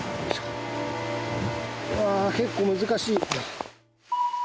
うわ結構難しい。